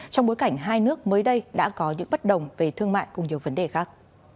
trong bối cảnh hai nước mới đây đã có những bất đồng về thương mại cùng nhiều vấn đề khác